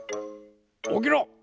おきろ！